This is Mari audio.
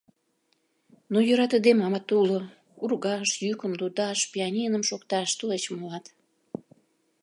Но йӧратыдымемат уло: ургаш, йӱкын лудаш, пианиным шокташ, тулеч молат.